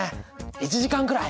１時間くらい？